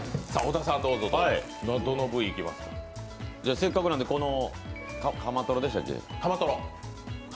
せっかくなんで、このカマトロでしたっけ？